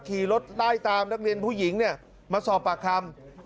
ขี่รถไล่ตามนักเรียนผู้หญิงมาสอบปากคำ